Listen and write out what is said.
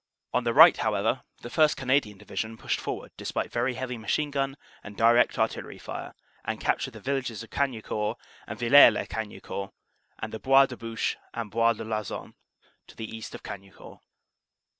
"On the right, however, the 1st. Canadian Division pushed forward despite very heavy machine gun and direct artillery fire, and captured the villages of Cagnicourt and Villers lez Cagnicourt, and the Bois de Bouche and Bois de Loison to the east of Cagnicourt.